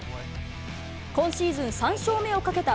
今シーズン３勝目をかけた